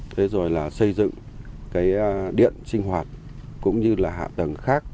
thế rồi là xây dựng cái điện sinh hoạt cũng như là hạ tầng khác